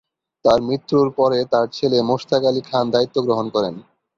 তাঁর মৃত্যুর পরে তার ছেলে মোশতাক আলী খান দায়িত্ব গ্রহণ করেন।